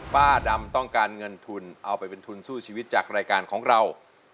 ป้าดำต้องการเงินทุนเอาไปเป็นทุนสู้ชีวิตจากรายการของเรา